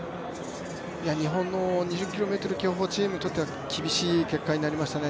日本の２０ｋｍ競歩チームにとっては厳しい結果になりましたね。